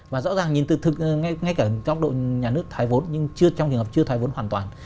và rõ ràng nhìn từ ngay cả trong nhà nước thoái vốn nhưng trong trường hợp chưa thoái vốn hoàn toàn